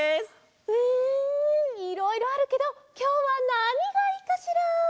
うんいろいろあるけどきょうはなにがいいかしら？